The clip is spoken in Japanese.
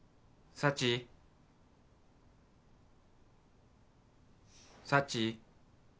幸幸。